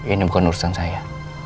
ini bukan urusan saya